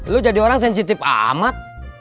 lo jadi orang sensitif amat